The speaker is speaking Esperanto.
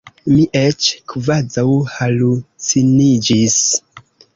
Mi eĉ kvazaŭ haluciniĝis.